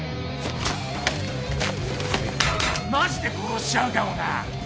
マジで殺しちゃうかもな。